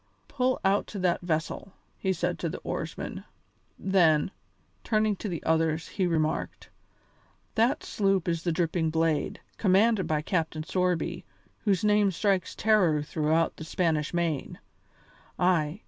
Pull out to that vessel!" he said to the oarsmen. Then, turning to the others, he remarked: "That sloop is the Dripping Blade, commanded by Captain Sorby, whose name strikes terror throughout the Spanish Main. Ay!